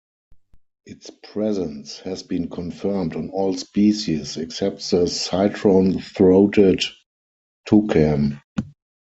Its presence has been confirmed on all species except the citron-throated toucan.